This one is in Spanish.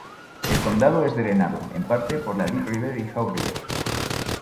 El condado es drenado, en parte, por la Deep River y Haw River.